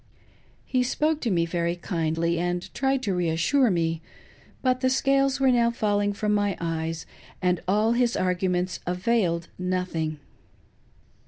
He spoke to me very kindly, and tried to re assure me, but the scales were now falling from my eyes, and all his arguments availed nothing.